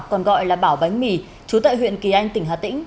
còn gọi là bảo bánh mì chú tại huyện kỳ anh tỉnh hà tĩnh